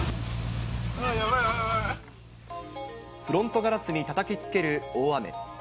フロントガラスにたたきつける大雨。